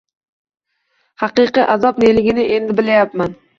Haqiqiy azob neligini endi bilayapman